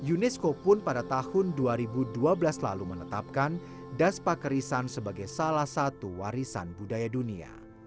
unesco pun pada tahun dua ribu dua belas lalu menetapkan daspa kerisan sebagai salah satu warisan budaya dunia